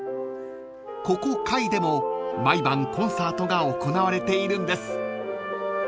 ［ここ界でも毎晩コンサートが行われているんです］